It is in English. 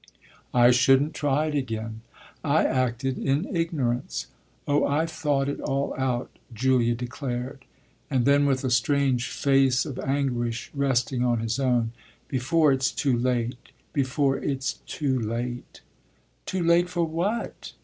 "I shouldn't try it again; I acted in ignorance. Oh I've thought it all out!" Julia declared. And then with a strange face of anguish resting on his own: "Before it's too late before it's too late!" "Too late for what?"